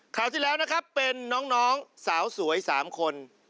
ข่าวที่แล้วนะครับเป็นน้องสาวสวย๓คน